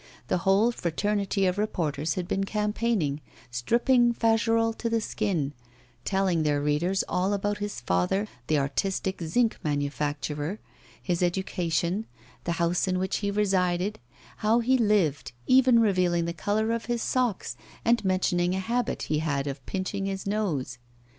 The whole fraternity of reporters had been campaigning, stripping Fagerolles to the skin, telling their readers all about his father, the artistic zinc manufacturer, his education, the house in which he resided, how he lived, even revealing the colour of his socks, and mentioning a habit he had of pinching his nose.